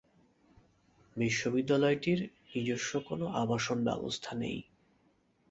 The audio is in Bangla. বিশ্ববিদ্যালয়টির নিজস্ব কোন আবাসন ব্যবস্থা নেই।